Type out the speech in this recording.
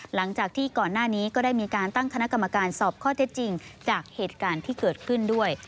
หลังจากที่ก่อนหน้านี้ก็ได้มีการตั้งคณะกรรมการสอบข้อเท็จจริงจากเหตุการณ์ที่เกิดขึ้นด้วย